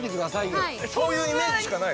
そういうイメージしかない。